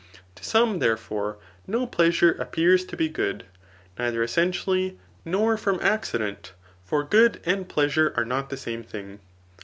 To some, therefore, no pleasure appears to be good, ndther essentially, nor from acci^ dent ; for good and pleasure are not the same thing.